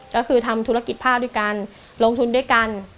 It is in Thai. ก็คือทำธุรกิจผ้าด้วยกันลงทุนด้วยกัน